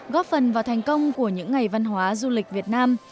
góp phần vào thành công của những ngày văn hóa du lịch việt nam